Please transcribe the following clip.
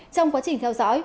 trong quá trình theo dõi